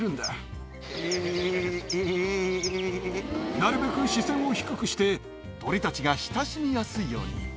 なるべく視線を低くして鳥たちが親しみやすいように。